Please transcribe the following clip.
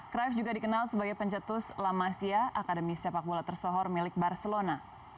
cruyff juga dikenal sebagai pencetus la masia akademi sepak bola tersohor milik barcelona